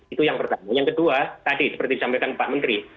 itu yang pertama yang kedua tadi seperti disampaikan pak menteri